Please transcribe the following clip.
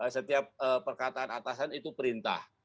setiap perkataan atasan itu perintah